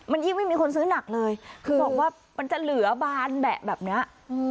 มันยิ่งไม่มีคนซื้อหนักเลยคือบอกว่ามันจะเหลือบานแบะแบบนี้